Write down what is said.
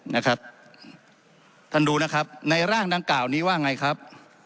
นะครับท่านดูนะครับในร่างดังกล่าวนี้ว่าไงครับ